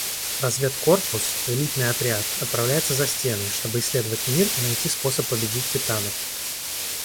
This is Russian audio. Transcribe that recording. Разведкорпус, элитный отряд, отправляется за стены, чтобы исследовать мир и найти способ победить титанов.